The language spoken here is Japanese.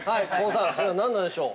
◆これは何なんでしょう？